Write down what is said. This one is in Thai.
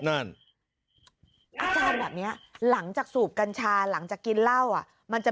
อาจารย์แบบนี้หลังจากสูบกัญชาหลังจากกินเหล้าอ่ะมันจะ